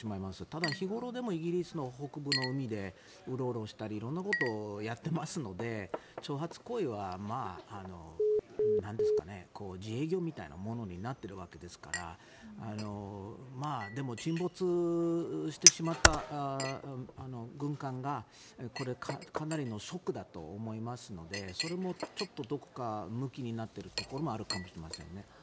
ただ、日頃からイギリスの北部の海でウロウロしたり色んなことをやってますので挑発行為は自営業みたいなものになっているわけですからでも、沈没してしまった軍艦がかなりのショックだと思いますのでそれもちょっとどこかむきになっているところもあるのかもしれません。